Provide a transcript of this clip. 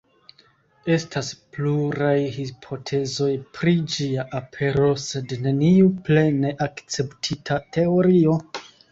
Estas pluraj hipotezoj pri ĝia apero, sed neniu plene akceptita teorio.